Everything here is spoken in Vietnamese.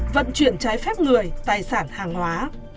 vận chuyển trái phép người tài sản hàng hóa